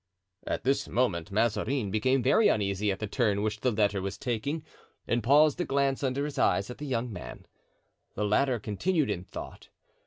At this moment Mazarin became very uneasy at the turn which the letter was taking and paused to glance under his eyes at the young man. The latter continued in thought.